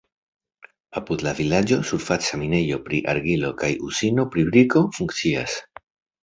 Apud la vilaĝo surfaca minejo pri argilo kaj uzino pri briko funkcias.